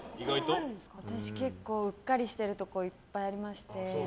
私、結構うっかりしてるところいっぱいありまして。